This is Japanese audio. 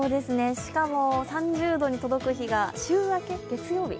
しかも、３０度に届く日が週明け月曜日、